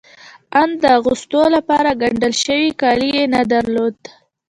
آن د اغوستو لپاره ګنډل شوي کالي يې نه درلودل.